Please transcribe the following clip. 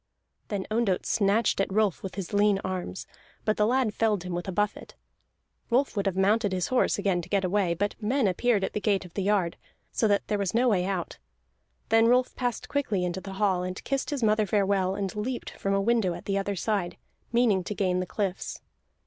Then Ondott snatched at Rolf with his lean arms, but the lad felled him with a buffet. Rolf would have mounted his horse again to get away, but men appeared at the gate of the yard, so that there was no way out. Then Rolf passed quickly into the hall, and kissed his mother farewell, and leaped from a window at the other side, meaning to gain the cliffs.